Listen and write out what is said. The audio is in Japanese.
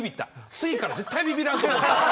次から絶対ビビらんと思って。